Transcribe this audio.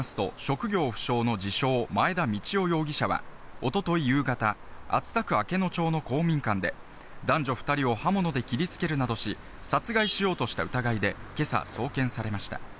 警察によりますと、職業不詳の自称・前田道夫容疑者は、おととい夕方、熱田区明野町の公民館で男女２人を刃物で切り付けるなどし、殺害しようとした疑いでけさ送検されました。